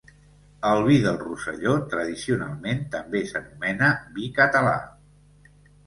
El vi del Rosselló tradicionalment també s'anomena vi català.